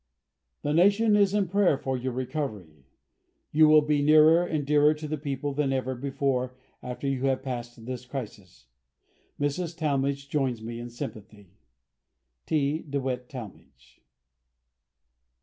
"The Nation is in prayer for your recovery. You will be nearer and dearer to the people than ever before after you have passed this crisis. Mrs. Talmage joins me in sympathy. "T. DEWITT TALMAGE."